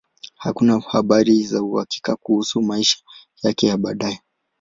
Hakuna habari za uhakika kuhusu maisha yake ya baadaye.